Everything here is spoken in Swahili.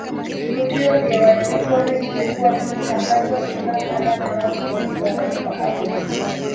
Vivutio vya wanyamapori vimekuwa vikitangazwa kila mara na watu wengi wanavifahamu